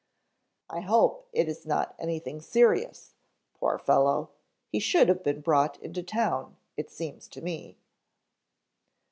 "I hope it is not anything serious, poor fellow. He should have been brought in to town, it seems to me."